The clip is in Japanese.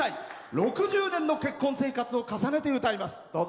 ６０年の結婚生活を重ねて歌います。